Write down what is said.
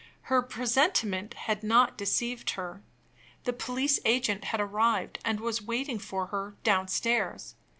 Her presentiment had not deceived her; the police agent had arrived, and was waiting for her downstairs.